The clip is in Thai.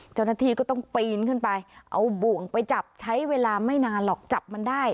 เจ้าหน้าที่ก็ต้องปีนขึ้นไปเอาบ่วงไปจับใช้เวลาไม่นานหรอกจับมันได้